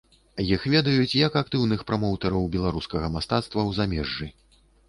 Іх ведаюць як актыўных прамоўтэраў беларускага мастацтва ў замежжы.